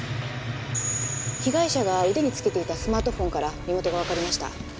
被害者が腕につけていたスマートフォンから身元がわかりました。